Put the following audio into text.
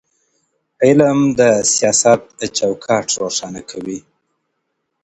علم د سياست چوکاټ روښانه کوي.